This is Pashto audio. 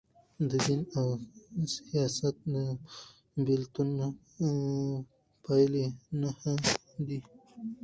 د دین او سیاست د بیلتون پایلي نهه دي.